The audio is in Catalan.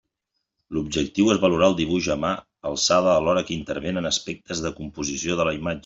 L'objectiu és valorar el dibuix a mà alçada alhora que intervenen aspectes de composició de la imatge.